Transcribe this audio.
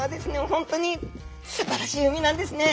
本当にすばらしい海なんですね。